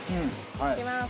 いきまーす！